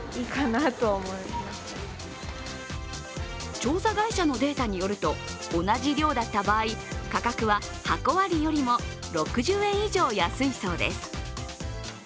調査会社のデータによると、同じ量だった場合、価格は箱ありよりも６０円以上安いそうです。